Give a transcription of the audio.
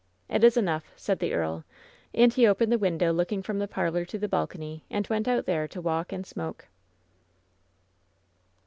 "It is enough," said the earl, and he opened the win dow looking from the parlor to the balcony and went out there to walk and smoke.